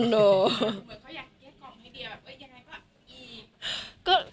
ไม่